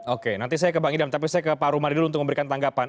oke nanti saya ke bang idam tapi saya ke pak rumadi dulu untuk memberikan tanggapan